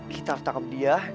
kita harus tangkap dia